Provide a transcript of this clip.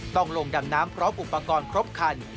ต้องลงดำน้ำพร้อมอุปกรณ์ครบคัน